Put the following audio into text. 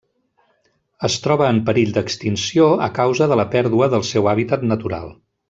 Es troba en perill d'extinció a causa de la pèrdua del seu hàbitat natural.